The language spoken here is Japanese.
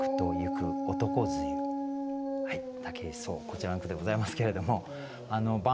こちらの句でございますけれども輓曳馬